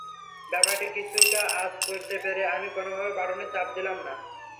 ব্যাপারটি কিছুটা আঁচ করতে পেরে আমি কোনো বাটনে চাপ দিলাম না।